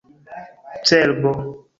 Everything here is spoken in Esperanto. cerbo